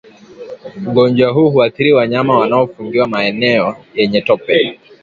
Ugonjwa huu huathiri wanyama wanaofungiwa maeneo yenye tope